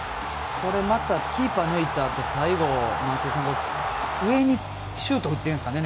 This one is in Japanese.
これ、またキーパー抜いたあと最後、松井さん、上にシュートを打ってるんですかね。